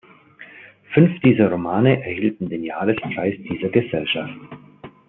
Fünf dieser Romane erhielten den Jahrespreis dieser Gesellschaft.